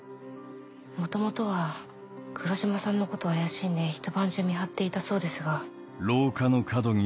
元々は黒島さんのことを怪しんでひと晩中見張っていたそうですが。